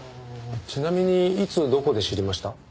ちなみにいつどこで知りました？